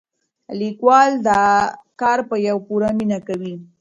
لیکوال دا کار په پوره مینه کوي.